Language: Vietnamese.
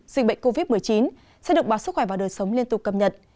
dịch bệnh covid một mươi chín sẽ được báo sức khỏe và đời sống liên tục cập nhật